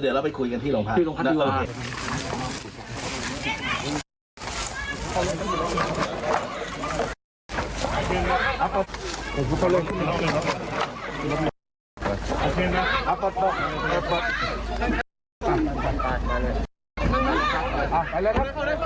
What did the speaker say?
เดี๋ยวเราไปคุยกันที่โรงพัก